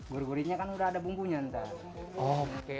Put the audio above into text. gurih gurihnya kan udah ada bumbunya ntar